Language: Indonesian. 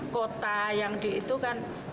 kota yang di itu kan